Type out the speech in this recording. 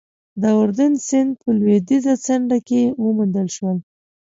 د اردون سیند په لوېدیځه څنډه کې وموندل شول.